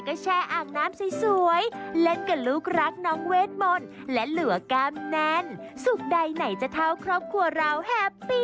ความคุณพ่อกับลูกสาวนะคะ